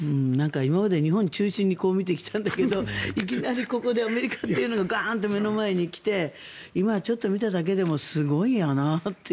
今まで日本中心に見てきたんだけどいきなりここでアメリカというのがガーンと目の前に来て今、見ただけでもすごいなという。